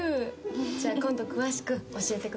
じゃあ今度詳しく教えてください。